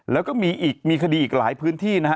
แล้วก็มีอีกมีคดีอีกหลายพื้นที่นะฮะ